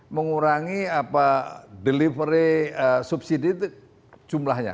mengurangi delivery subsidi itu jumlahnya